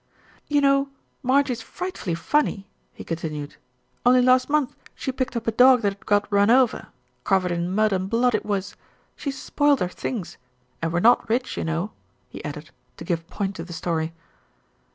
"You know Marjie's frightfully funny," he con tinued. "Only last month she picked up a dog that had got run over, covered in mud and blood it was. She spoilt her things and we're not rich, you know," he added, to give point to the story.